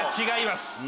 違います。